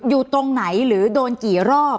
อยู่ตรงไหนหรือโดนกี่รอบ